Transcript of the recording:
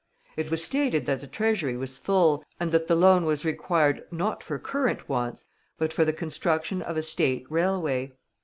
It was stated that the Treasury was full, and that the loan was required, not for current wants, but for the construction of a State railway.